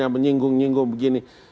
yang menyinggung nyinggung begini